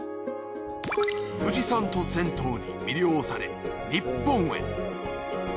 富士山と銭湯に魅了され日本へ。